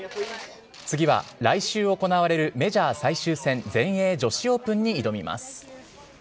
次は、来週行われるメジャー最終戦、全英女子オープンに挑みます。